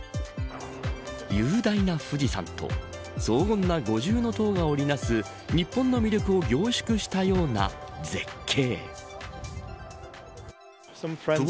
雄大な富士山と荘厳な五重塔が織りなす日本の魅力を凝縮したような絶景。